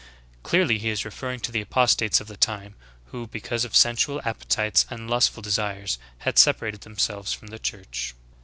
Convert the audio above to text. "* Clearly he is referring to the apostates of the time, who, because of sensual appetites and lustful de sires, had separated themselves from the Church.